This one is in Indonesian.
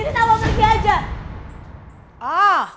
risa mau pergi aja